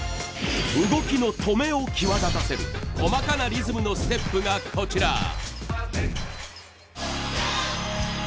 動きの「止め」を際立たせる細かなリズムのステップがこちら。